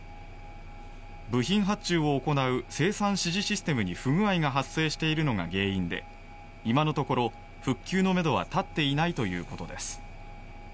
部品発注を行う生産指示システムに不具合が発生しているのが原因で今のところ復旧のめどは立っていないということです。